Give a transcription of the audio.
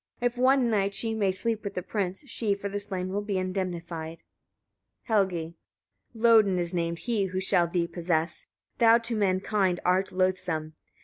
If one night she may sleep with the prince, she for the slain will be indemnified. Helgi. 25. Lodin is named he who shall thee possess, thou to mankind art loathsome.